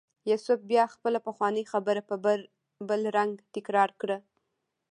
یوسف بیا خپله پخوانۍ خبره په بل رنګ تکرار کړه.